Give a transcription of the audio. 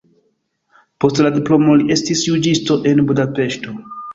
Post la diplomo li estis juĝisto en Budapeŝto.